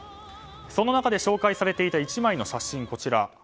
その中で紹介されていた１枚の写真。